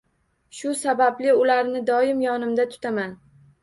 Shu sababli ularni doim yonimda tutaman